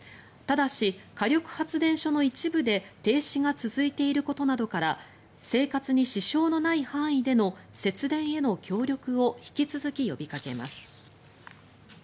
ただし、火力発電所の一部で停止が続いていることなどから生活に支障のない範囲での節電への協力を引き続き呼びかけます。